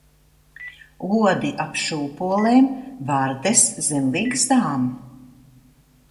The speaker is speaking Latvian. Odi ap šūpolēm, vardes zem ligzdām.